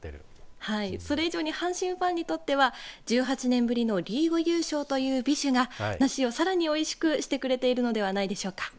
それ以上に阪神ファンにとっては１８年ぶりのリーグ優勝という美酒が梨をさらにおいしくしてくれているのではないでしょうか。